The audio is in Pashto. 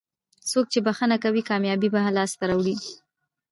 څوک چې بښنه کوي کامیابي هم لاسته راوړي.